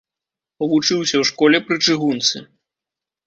Вучыўся ў школе пры чыгунцы.